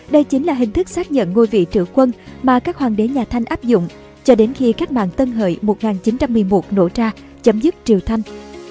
đây chính là hình thức xác nhận ngôi vị trưởng quân mà các hoàng đế nhà thanh áp dụng cho đến khi các mạng tân hợi một nghìn chín trăm một mươi một nổ ra chấm dứt triều thanh